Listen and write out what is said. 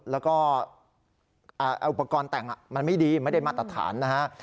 แล้วก็อุปกรณ์แต่งมันไม่ดีไม่ได้มาตรฐานนะฮะ